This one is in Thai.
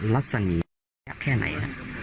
ลักษณะแค่ไหน